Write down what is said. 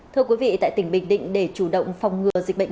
thưa quý vị tại tỉnh bình định để chủ động phòng ngừa dịch bệnh